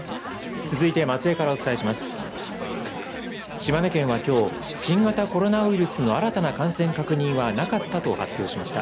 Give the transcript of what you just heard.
島根県は、きょう新型コロナウイルスの新たな感染確認はなかったと発表しました。